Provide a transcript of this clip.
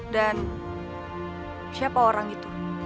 dan siapa orang itu